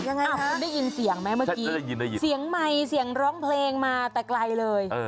ยังไงคะได้ยินเสียงไหมเมื่อกี้สียังไหมเสียงร้องเพลงมาแต่ไกลเลย